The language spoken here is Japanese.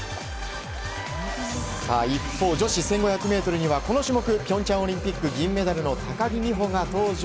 一方、女子１５００ｍにはこの種目平昌オリンピック銀メダルの高木美帆が登場。